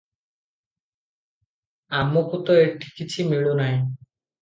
ଆମକୁ ତ ଏଠି କିଛି ମିଳୁ ନାହିଁ ।